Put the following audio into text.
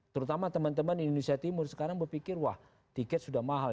terutama teman teman di indonesia timur sekarang berpikir wah tiket sudah mahal